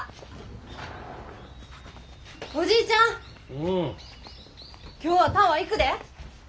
うん。今日はタワー行くで。